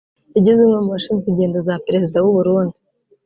yagizwe umwe mu bashinzwe ingendo za Perezida w’Uburundi